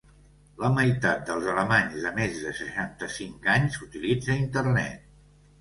La meitat dels alemanys de més de seixanta-cinc anys utilitza internet.